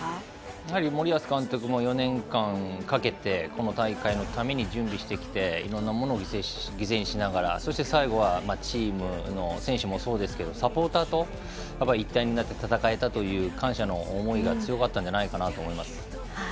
やはり森保監督も４年間かけてこの大会のために準備してきていろんなものを犠牲にしながらそして、最後はチームの選手もそうですがサポーターと一体になって戦えたという感謝の思いが強かったんじゃないかなと思います。